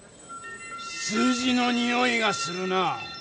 数字のにおいがするな。